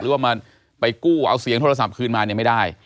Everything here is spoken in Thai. หรือว่ามาไปกู้เอาเสียงโทรศัพท์คืนมาเนี่ยไม่ได้